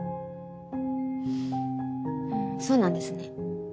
そうなんですね。